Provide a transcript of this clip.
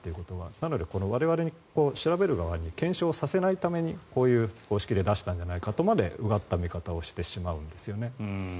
だから我々、調べる側に検証させないためにこういう方式で出したんじゃないかとまでうがった見方をしてしまうんですよね。